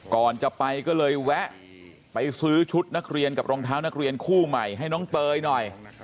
ก่อนจะไปก็เลยแวะไปซื้อชุดนักเรียนกับรองเท้านักเรียนคู่ใหม่ให้น้องเตยหน่อย